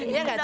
iya gak cinta